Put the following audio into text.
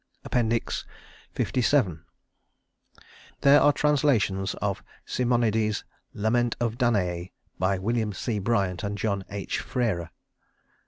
LVII There are translations of Simonides's "Lament of Danaë" by William C. Bryant and John H. Frere.